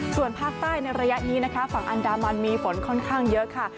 ส่วนภาคใต้ในระยะนี้นะคะฝั่งอันดามันมีฝนค่อนข้างเยอะค่ะ